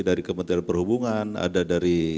dari kementerian perhubungan ada dari